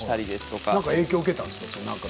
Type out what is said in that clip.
何か影響を受けたんですか。